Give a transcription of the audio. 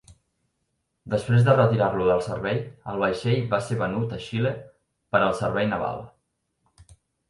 Després de retirar-lo del servei, el vaixell va ser venut a Xile per al servei naval.